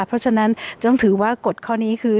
เพราะฉะนั้นต้องถือว่ากฎข้อนี้คือ